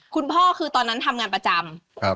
คุณพ่อคือตอนนั้นทำงานประจำ